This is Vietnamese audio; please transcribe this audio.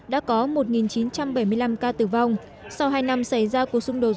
đã có một chín trăm bảy mươi năm ca tử vong sau hai năm xảy ra cuộc xung đột